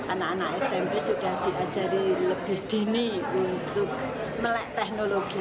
anak anak smp sudah diajari lebih dini untuk melek teknologi